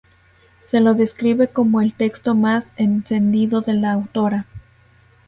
Se lo describe como el texto más encendido de la autora.